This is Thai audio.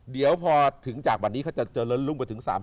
เดี๋ยวพอถึงจากวันนี้เขาจะละลุ้งไปถึง๓๓